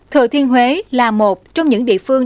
thừa thiên huế là một trong những địa phương